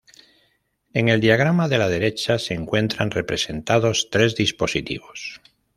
En el diagrama de la derecha se encuentran representados tres dispositivos.